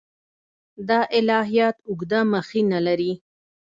دا الهیات اوږده مخینه لري.